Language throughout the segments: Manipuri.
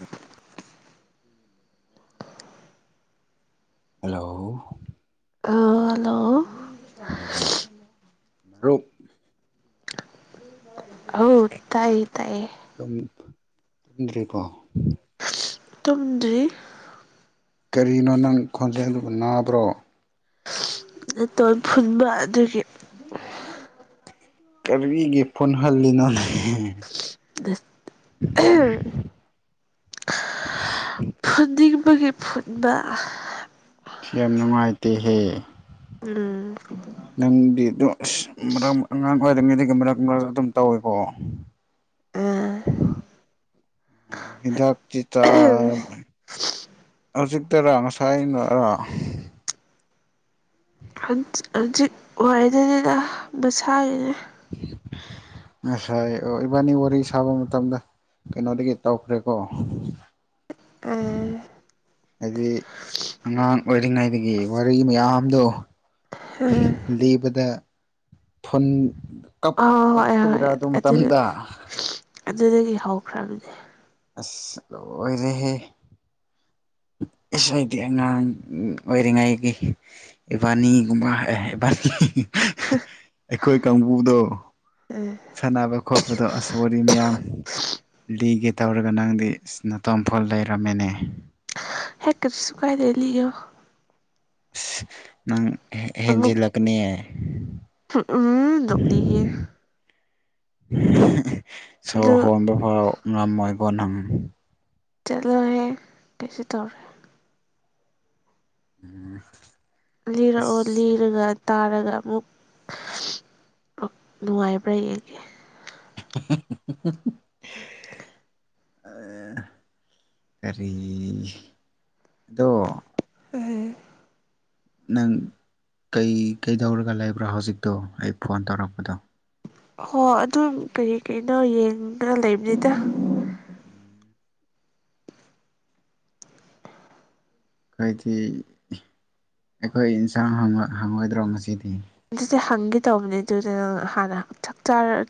ꯎ ꯍꯜꯂꯣ ꯍꯂꯣ ꯃꯔꯣ ꯍ ꯇꯥꯏꯌꯦ ꯇꯥꯏꯌꯦ ꯇꯨꯝꯗ꯭ꯔꯦꯀꯣ ꯇꯨꯝꯗ꯭ꯔꯤ ꯀꯔꯤꯅꯣ ꯅꯪ ꯈꯣꯟꯖꯦꯜꯗꯨ ꯅꯥꯕ꯭ꯔꯣ ꯇꯣꯟ ꯐꯨꯟꯕ ꯑꯗꯨꯒꯤ ꯑꯁ ꯀꯔꯤꯒꯦ ꯐꯨꯣꯟ ꯍꯜꯂꯤꯅꯣꯅꯦ [unintelligible] ꯑ ꯐꯨꯟꯗꯤꯕꯒꯤ ꯐꯨꯟꯕ ꯁꯤ ꯌꯥꯝ ꯅꯨꯡꯉꯥꯏꯇꯦꯍꯦ ꯎꯝ [inaudible] ꯅꯪꯗꯤ ꯑꯗꯨ ꯑꯁ ꯃꯔꯛ ꯑꯉꯥꯡ ꯑꯣꯏꯔꯤꯉꯩꯗꯒꯤ ꯃꯔꯛ ꯃꯔꯛ ꯑꯗꯨꯝ ꯇꯧꯏꯀꯣ ꯎꯝ ꯍꯤꯗꯥꯛꯇꯤ ꯇ ꯍꯧꯖꯤꯛꯇꯔ ꯉꯁꯥꯏ ꯅꯔꯥ ꯍꯧꯖꯤꯛ ꯋꯥꯗꯅꯤꯅ ꯃꯁꯥꯒꯤꯅꯦ [inaudible] ꯉꯁꯥꯏ ꯑꯣ ꯏꯕꯥꯅꯤ ꯋꯥꯔꯤ ꯁꯥꯕ ꯃꯇꯝꯗ ꯀꯩꯅꯣꯗꯒꯤ ꯇꯧꯈ꯭ꯔꯦꯀꯣ ꯎꯝ ꯍꯥꯏꯗꯤ ꯑꯉꯥꯡ ꯑꯣꯏꯔꯤꯉꯩꯗꯒꯤ ꯋꯥꯔꯤ ꯃꯌꯥꯝꯗꯣ ꯂꯤꯕꯗ ꯐꯨꯟ ꯀꯞ ꯍꯣꯏ ꯍꯣꯏ ꯀꯞꯄꯒꯤꯔ ꯑꯗꯨ ꯃꯇꯝꯗ ꯑꯗꯨꯗꯒꯤ ꯍꯧꯈ꯭ꯔꯕꯅꯦ ꯑꯁ ꯂꯣꯏꯔꯦꯍꯦ ꯑꯁ ꯑꯩꯗꯤ ꯑꯉꯥꯡ ꯑꯣꯏꯔꯤꯉꯥꯏꯒꯤ ꯏꯕꯥꯅꯤꯒꯨꯝꯕ ꯏꯕꯅꯤ ꯑꯩꯈꯣꯏ ꯀꯥꯡꯕꯨꯗꯣ ꯎꯝ ꯁꯥꯟꯅꯕ ꯈꯣꯠꯄꯗꯣ ꯑꯁ ꯋꯥꯔꯤ ꯃꯤꯌꯥꯝ ꯂꯤꯒꯦ ꯇꯧꯔꯒ ꯅꯪꯗꯤ ꯏꯁ ꯅꯇꯣꯝꯐꯣꯟ ꯂꯩꯔꯝꯃꯦꯅꯦ ꯍꯦꯠ ꯀꯩꯁꯨ ꯀꯥꯏꯗꯦ ꯂꯤꯌꯣ ꯑꯁ ꯅꯪ ꯍꯦꯟꯖꯤꯜꯂꯛꯀꯅꯤꯌꯦ ꯎ ꯎꯝ ꯅꯣꯛꯅꯤꯉꯦ ꯑꯗꯨ ꯁꯣꯔ ꯍꯣꯟꯕ ꯐꯥꯎ ꯉꯃꯣꯏ ꯀꯣ ꯅꯪ ꯆꯠꯂꯣꯏꯍꯦ ꯀꯩꯁꯨ ꯇꯧꯔꯦ ꯎꯝ [inaudible] ꯂꯤꯔꯛꯑꯣ ꯂꯤꯔꯒ ꯇꯥꯔꯒ ꯑꯃꯨꯛ ꯅꯨꯡꯉꯥꯏꯕ꯭ꯔꯥ ꯌꯦꯡꯒꯦ [unintelligible] ꯀꯔꯤ ꯑꯗꯣ ꯎꯝ ꯅꯪ ꯀꯩ ꯀꯩꯗꯧꯔꯒ ꯂꯩꯕ꯭ꯔꯥ ꯍꯧꯖꯤꯛꯇꯣ ꯑꯩ ꯐꯣꯟ ꯇꯧꯔꯛꯄꯗꯣ ꯍꯣ ꯑꯗꯨꯝ ꯀꯔꯤ ꯀꯩꯅꯣ ꯌꯦꯡꯒ ꯂꯩꯕꯅꯤꯗ [inaudible] ꯑꯩꯈꯣꯏꯗꯤ ꯑꯩꯈꯣꯏ ꯏꯟꯁꯥꯡ ꯍꯪꯉꯣꯏꯗ꯭ꯔꯣ ꯉꯁꯤꯗꯤ ꯑꯗꯨꯁꯦ ꯍꯪꯒꯦ ꯇꯧꯕꯅꯦ ꯑꯗꯨꯗ ꯅꯪ ꯍꯥꯟꯅ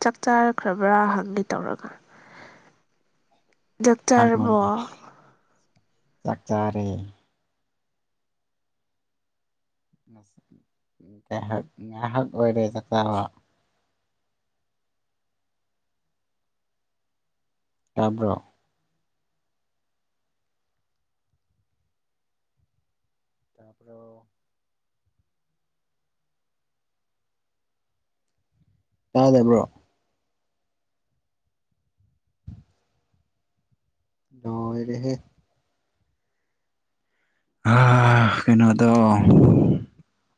ꯆꯥꯛ ꯆꯥꯔꯛꯈ꯭ꯔꯕ꯭ꯔꯥ ꯍꯪꯒꯦ ꯇꯧꯔꯒ [inaudible] ꯆꯥꯔꯕꯣ ꯍꯪꯉꯣꯅꯦ ꯆꯥꯛ ꯆꯥꯔꯦ ꯉꯥꯏꯍꯥꯛ ꯉꯥꯏꯍꯥꯛ ꯑꯣꯏꯔꯦ ꯆꯥꯛꯆꯥꯕ ꯇꯥꯕ꯭ꯔꯣ ꯇꯕꯔꯣ ꯇꯥꯗꯕ꯭ꯔꯣ ꯂꯣꯏꯔꯦꯍꯦ ꯀꯩꯅꯣꯗꯣ